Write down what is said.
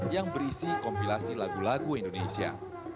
yang berisi kompilasi lagu lagu indonesia